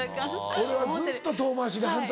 俺はずっと遠回しで反対。